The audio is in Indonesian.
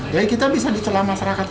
jadi kita bisa dicelah masyarakat